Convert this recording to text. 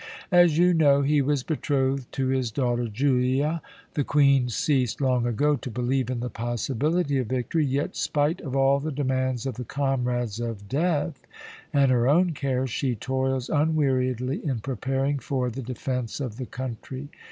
As you know, he was betrothed to his daughter Julia. The Queen ceased long ago to believe in the possibility of victory, yet, spite of all the demands of the 'Comrades of Death' and her own cares, she toils unweariedly in preparing for the defence of the country.